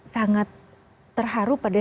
sangat terharu pada